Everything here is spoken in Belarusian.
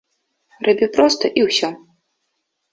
Рабі проста і ўсё.